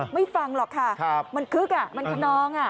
ฟังหรอกค่ะมันคึกมันคนนอง